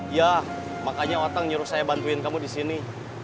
iya makanya otang nyuruh saya bantuin kamu di sini